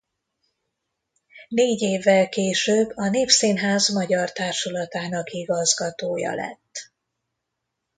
Négy évvel később a Népszínház magyar társulatának igazgatója lett.